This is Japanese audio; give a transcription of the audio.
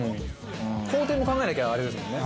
工程も考えなきゃあれですもんね。